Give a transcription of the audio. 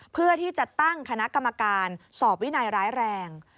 เพื่อที่จะตั้งคณะกรรมการสอบวินัยร้ายแรง